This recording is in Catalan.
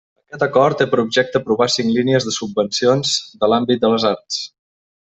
Aquest Acord té per objecte aprovar cinc línies de subvencions de l'àmbit de les arts.